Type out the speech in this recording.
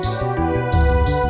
masih di pasar